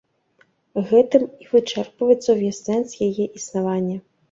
Гэтым і вычэрпваецца ўвесь сэнс яе існавання.